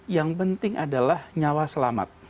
yang penting adalah nyawa selamat